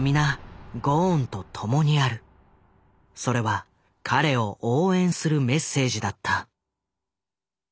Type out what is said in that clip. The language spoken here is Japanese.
それは彼を応援するメッセージだった。